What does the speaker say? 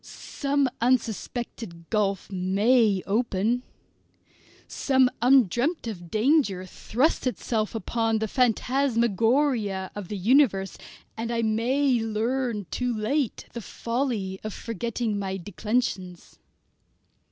Some unsuspected gulf may open, some undreamt of danger thrust itself through the phantasmagoria of the universe, and I may learn too late the folly of forgetting my declensions.